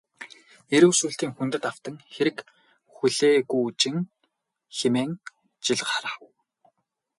Эрүү шүүлтийн хүндэд автан хэрэг хүлээгүүжин хэмээн жил харав.